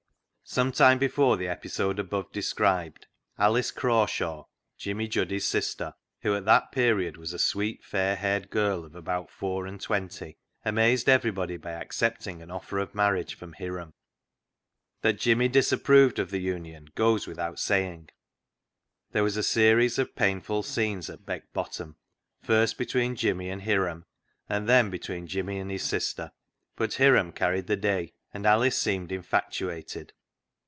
Some time before the episode above de scribed, Alice Crawshaw, Jimmy Juddy's sister, who at that period was a sweet, fair haired girl of about four and twenty, amazed everybody by accepting an offer of marriage from Hiram. That Jimmy disapproved of the union goes without saying. There was a series of painful scenes at Beck Bottom, first between Jimmy and Hiram, and then between Jimmy and his sister, but Hiram carried the day, and Alice seemed infatuated.